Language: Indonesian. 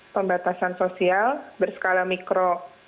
pembatasan sosial berskala mikro